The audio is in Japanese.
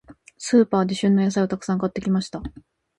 スーパーで、旬の野菜をたくさん買ってきました。